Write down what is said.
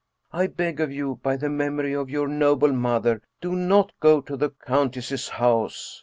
I beg of you, by the memory of your noble mother, do not go to the countess's house.